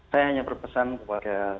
saya hanya berpesan kepada